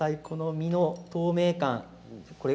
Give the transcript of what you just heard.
この身の透明感。